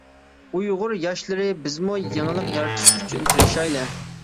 ئۇيغۇر ياشلىرى بىزمۇ يېڭىلىق يارىتىش ئۈچۈن تىرىشايلى!